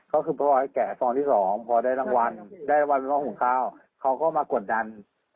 อ๋อเขาคือเพราะว่าแกะซ้องที่สองพอได้รางวัลได้รางวัลหม้อหุงข้าวเขาก็มากดดัน